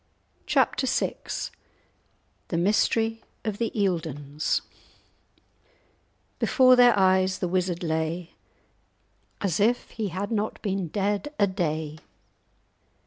*Chapter VI* *The Mystery of the Eildons* "Before their eyes the Wizard lay As if he had not been dead a day.